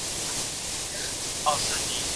په لوېدیځ کې بېکارۍ په ښه سترګه نه کتل کېږي.